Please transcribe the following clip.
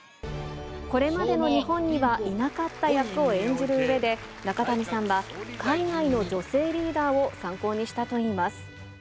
これまでの日本にはいなかった役を演じるうえで、中谷さんは、海外の女性リーダーを参考にしたといいます。